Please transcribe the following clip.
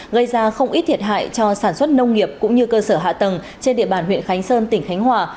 gây ra không ít thiệt hại cho sản xuất nông nghiệp cũng như cơ sở hạ tầng trên địa bàn huyện khánh sơn tỉnh khánh hòa